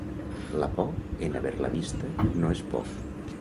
La por, en haver-la vista, no és por.